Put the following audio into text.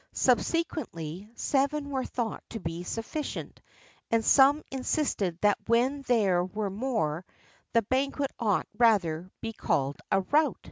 [XXXIV 12] Subsequently seven were thought to be sufficient, and some insisted that when there were more the banquet ought rather to be called a rout.